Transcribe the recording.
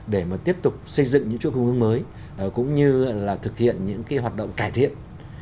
để mà tiếp tục xây dựng những chuỗi cung ứng mới cũng như là thực hiện những cái hoạt động cải thiện